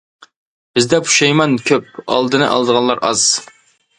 بىزدە پۇشايمان كۆپ، ئالدىنى ئالىدىغانلار ئاز.